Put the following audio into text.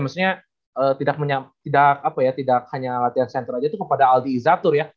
maksudnya tidak hanya latihan center aja itu kepada aldi izatur ya